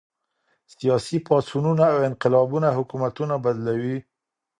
سياسي پاڅونونه او انقلابونه حکومتونه بدلوي.